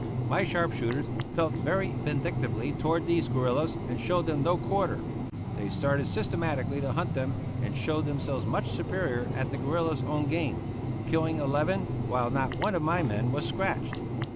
My sharp shooters felt very vindictively toward these guerillas and showed them no quarter. They started systematically to hunt them, and showed themselves much superior at the guerillas' own game, killing eleven, while not one of my men was scratched.